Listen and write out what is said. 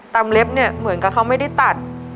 ตำเล็บเหมือนกับเขาไม่ได้ตัด